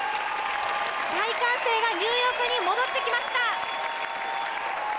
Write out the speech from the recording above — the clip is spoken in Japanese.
大歓声がニューヨークに戻ってきました。